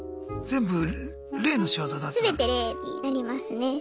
全て霊になりますね。